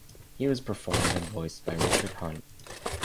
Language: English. He was performed and voiced by Richard Hunt.